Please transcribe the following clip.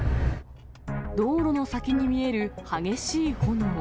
道路の先に見える激しい炎。